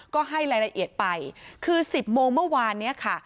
ก็ให้รายละเอียดไปคือ๑๐โมงเมื่อวานนี้ค่ะ